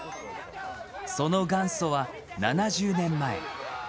その元祖は、７０年前。